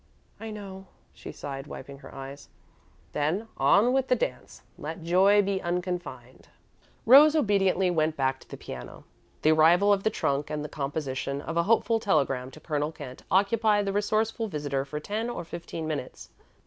"I know," she sighed, wiping her eyes. "Then 'on with the dance let joy be unconfined.'" Rose obediently went back to the piano. The arrival of the trunk and the composition of a hopeful telegram to Colonel Kent occupied the resourceful visitor for ten or fifteen minutes.